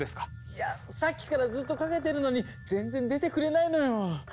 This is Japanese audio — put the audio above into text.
いやさっきからずっとかけてるのに全然出てくれないのよ。